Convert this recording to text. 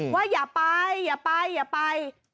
อย่าไปอย่าไปอย่าไป